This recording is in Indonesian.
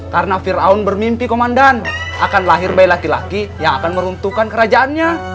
karena firaun bermimpi komandan akan lahir bayi laki laki yang akan meruntuhkan kerajaannya